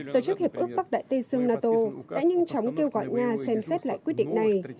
tổ chức hiệp ước bắc đại tây dương nato đã nhanh chóng kêu gọi nga xem xét lại quyết định này